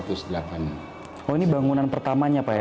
oh ini bangunan pertamanya pak ya